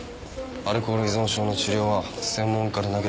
アルコール依存症の治療は専門家でなければ無理だ。